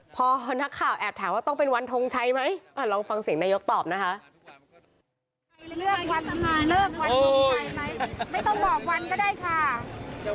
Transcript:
ท่านนายยกตอนนี้พร้อม๑๐แล้วครับท่านนายยก